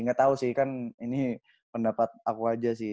gak tau sih kan ini pendapat aku aja sih